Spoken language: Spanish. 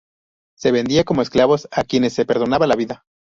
Se vendía como esclavos a quienes se perdonaba la vida.